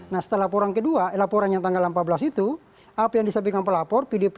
nah setelah laporan yang ke dua laporan yang tanggal empat belas itu apa yang disampaikan pelapor